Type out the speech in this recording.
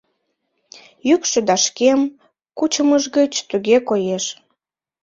Йӱкшӧ да шкем кучымыж гыч туге коеш.